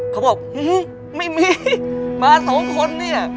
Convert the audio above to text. เขาบอกหื้อไม่มีมา๒คนเนี่ย